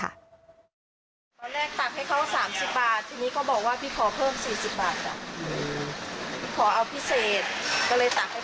เราแรกตักให้เขา๓๐บาททีนี้เขาบอกว่าพี่ขอเพิ่ม๔๐บาท